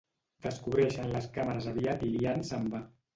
Descobreixen les càmeres aviat i l'Ian se'n va.